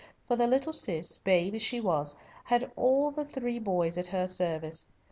For the little Cis, babe as she was, had all the three boys at her service.